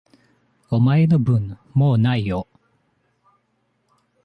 お前の分、もう無いよ。